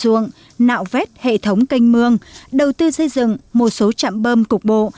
hoạt dụng nạo vét hệ thống canh mương đầu tư xây dựng một số trạm bơm cục bộ